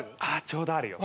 ちょうどあるよ。